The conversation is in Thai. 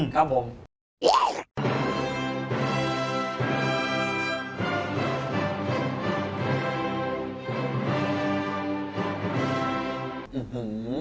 ครับผม